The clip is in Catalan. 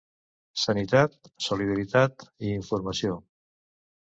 Sanitat, solidaritat i informació.